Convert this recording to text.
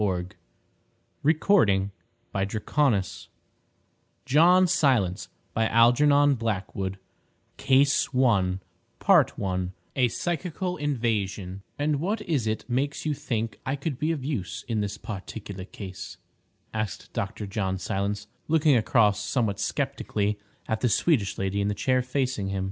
The Original of John Silence and My Companion in Many Adventures CASE I: A PSYCHICAL INVASION I "And what is it makes you think I could be of use in this particular case?" asked Dr. John Silence, looking across somewhat sceptically at the Swedish lady in the chair facing him.